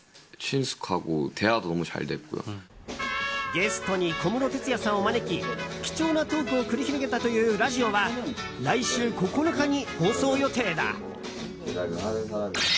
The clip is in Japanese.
ゲストに小室哲哉さんを招き貴重なトークを繰り広げたというラジオは来週９日に放送予定だ。